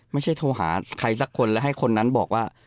โทรหาใครสักคนแล้วให้คนนั้นบอกว่า